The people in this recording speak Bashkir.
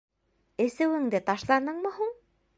— Эсеүеңде ташланыңмы һуң?